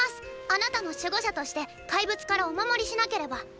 あなたの守護者として怪物からお守りしなければ。